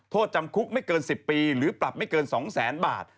โทษจำคุกไม่เกิน๑๐ปีหรือปรับไม่เกิน๒แสนบาท